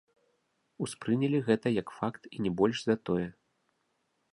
Успрынялі гэта як факт і не больш за тое.